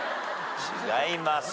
違います。